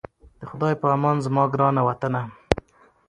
د خدای په امان زما ګرانه وطنه😞